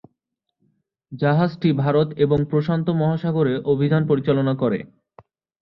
জাহাজটি ভারত ও প্রশান্ত মহাসাগরে অভিযান পরিচালনা করে।